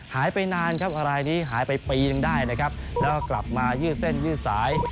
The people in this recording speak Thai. หายไปนานครับรายนี้หายไปปีนึงได้นะครับแล้วก็กลับมายืดเส้นยืดสาย